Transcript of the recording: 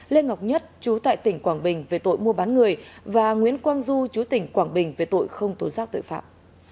lê ngọc nhất chú tại tỉnh quảng bình về tội mua bán người và nguyễn quang du chú tỉnh quảng bình về tội không tố giác tội phạm